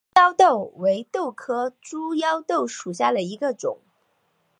猪腰豆为豆科猪腰豆属下的一个种。